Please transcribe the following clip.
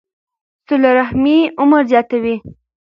صله رحمي عمر زیاتوي.